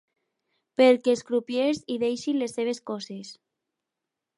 Perquè els crupiers hi deixin les seves coses.